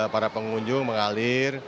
para pengunjung mengalir